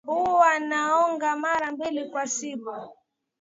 Huwa naoga mara mbili kwa siku